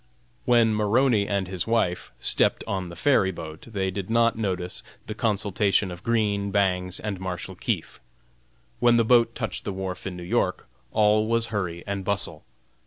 When Maroney and his wife stepped on the ferry boat they did not notice the consultation of Green, Bangs and Marshal Keefe. When the boat touched the wharf in New York, all was hurry and bustle.